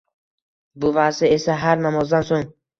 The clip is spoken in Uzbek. Buvasi esa har namozdan so`ng